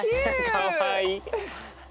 かわいい。